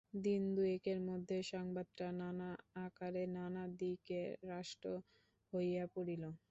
দিন দুয়েকের মধ্যে সংবাদটা নানা আকারে নানা দিকে রাষ্ট্র হইয়া পড়িল।